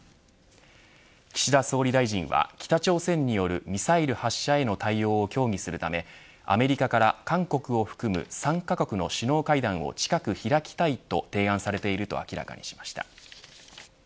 岸田総理大臣は北朝鮮によるミサイル発射への対応を協議するためアメリカから、韓国を含む３カ国の首脳会談を近く開きたいと提案されていると明らかにしました。